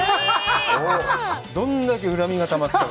どんだけ恨みがたまってたか。